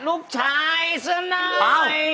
นุกชายสนาย